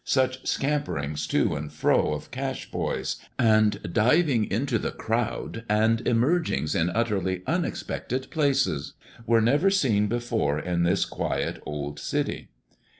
such scamperings to and fro of cash boys, and diving into the crowd, and emergings in utterly unexpected places were never seen before in this quiet old city.